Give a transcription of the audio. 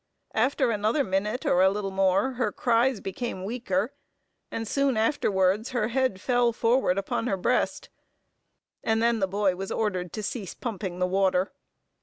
After another minute or a little more, her cries became weaker, and soon afterwards her head fell forward upon her breast; and then the boy was ordered to cease pumping the water.